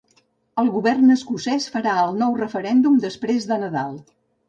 El govern escocès farà el nou referèndum després de Nadal